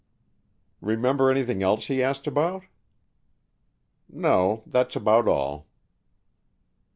"Remember anything else he asked about?" "No. That's about all."